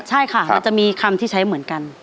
ใช่ค่ะมันจะมีคำที่ใช้เหมือนกัน